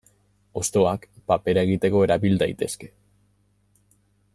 Hostoak papera egiteko erabil daitezke.